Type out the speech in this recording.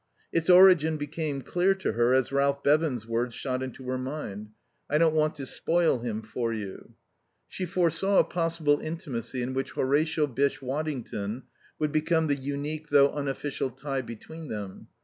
Its origin became clear to her as Ralph Bevan's words shot into her mind: "I don't want to spoil him for you." She foresaw a possible intimacy in which Horatio Bysshe Waddington would become the unique though unofficial tie between them.